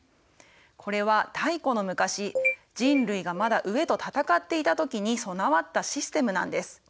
これは太古の昔人類がまだ飢えと闘っていた時に備わったシステムなんです。